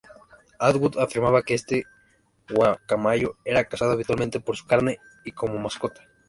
Atwood afirmaba que este guacamayo era cazado habitualmente por su carne y como mascota.